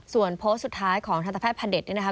ส่วนโพสต์สุดท้ายของทันตแพทย์พระเด็จนี่นะคะ